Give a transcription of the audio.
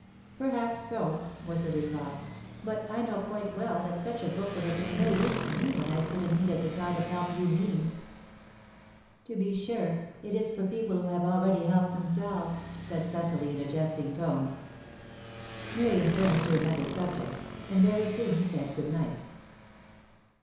"Perhaps so," was the reply. "But I know quite well that such a book would have been no use to me when I stood in need of the kind of help you mean." "To be sure; it is for people who have already helped themselves," said Cecily, in a jesting tone. Miriam turned to another subject, and very soon said good night.